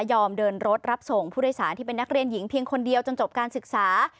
เดินรถรับส่งผู้โดยสารที่เป็นนักเรียนหญิงเพียงคนเดียวจนจบการศึกษา